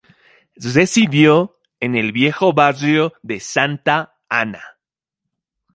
Residió en el viejo barrio de Santa Ana.